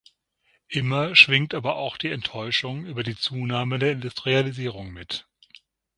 Immer schwingt aber auch die Enttäuschung über die Zunahme der Industrialisierung mit.